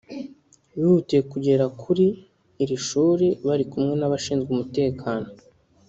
bihutiye kugera kuri iri shuri bari kumwe n’abashinzwe umutekano